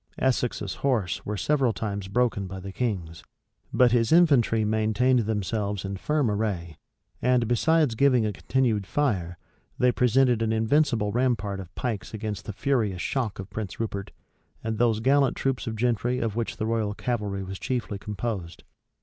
Essex's horse were several times broken by the king's, but his infantry maintained themselves in firm array; and, besides giving a continued fire, they presented an invincible rampart of pikes against the furious shock of Prince Rupert, and those gallant troops of gentry of which the royal cavalry was chiefly composed.